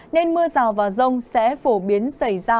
nên mưa rào và rông sẽ phổ biến xảy ra